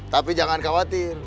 tapi jangan khawatir